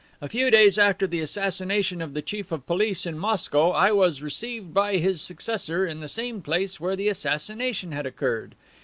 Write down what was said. A few days after the assassination of the Chief of Police in Moscow I was received by his successor in the same place where the assassination had occurred.